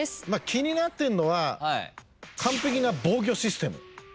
気になってるのは完璧な防御システム。